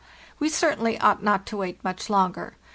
We certainly ought not to wait much longer.